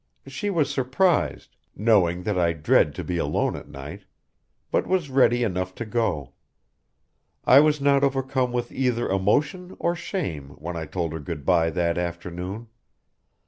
She was surprised knowing that I dread to be alone at night but was ready enough to go. I was not overcome with either emotion or shame when I told her good bye that afternoon.